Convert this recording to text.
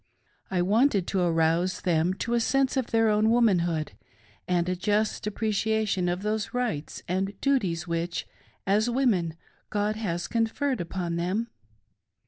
I wanted to arouse them to a sense of their own Womanhood, and a just appreciation of those Rights and Duties which, as women, God has conferred upon them.